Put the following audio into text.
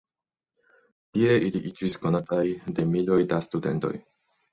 Tie ili iĝis konataj de miloj da studentoj.